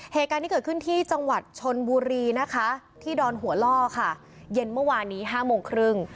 เหตุการณ์นี้เกิดขึ้นที่จังหวัดชนบุรีนะคะที่ดอนหัวล่อค่ะเย็นเมื่อวานนี้๕โมงครึ่ง